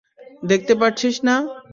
দেখতে পারছিস না?